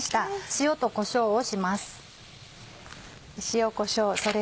塩とこしょうをします。